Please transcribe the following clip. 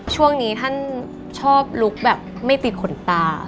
ช่วงนี้ท่านชอบลุกแบบไม่ติดขนตา